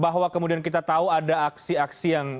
bahwa kemudian kita tahu ada aksi aksi yang